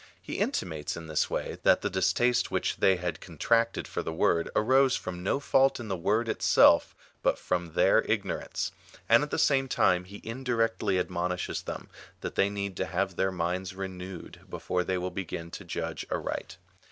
He intimates in this way, that the distaste which they had con tracted for the word, arose from no fault in the word itself, but from their ignorance ; and at the same time he indirectly admonishes them, that they need to have their minds re newed, before they will begin to judge aright.